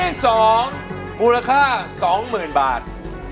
เพลงที่สองมูลค่าสองหมื่นบาท